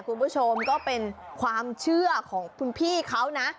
คุณผู้ชมก็เป็นความเชื่อของคุณพี่เขานะ